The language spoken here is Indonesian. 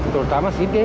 terutama si dea